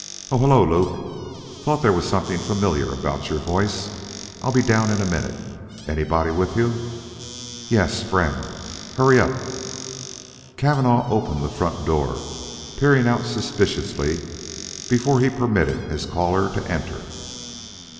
"Oh, hello, Luke. Thought there was something familiar about your voice. I'll be down in a minute. Anybody with you?" "Yes, friend. Hurry up." Cavanagh opened the front door, peering out suspiciously before he permitted his caller to enter.